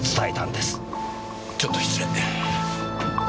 ちょっと失礼。